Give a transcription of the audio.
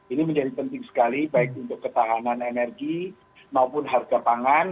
ini menjadi penting sekali baik untuk ketahanan energi maupun harga pangan